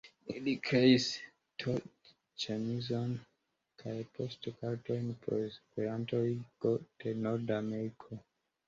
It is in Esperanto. Li kreis T-ĉemizojn kaj poŝtkartojn por Esperanto-Ligo de Norda Ameriko.